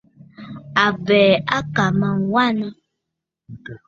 Àbɛ̀ɛ̀ à kà mə aa wanə.